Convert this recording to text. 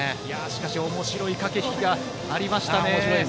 しかし、おもしろい駆け引きがありましたね。